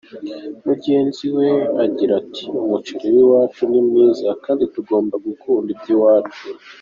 Mugenzi we agira ati “Umuceri w’iwacu ni mwiza kandi tugomba gukunda iby’iwacu.